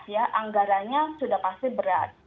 ya anggarannya sudah pasti berat